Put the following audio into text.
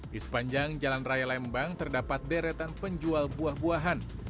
di sepanjang jalan raya lembang terdapat deretan penjual buah buahan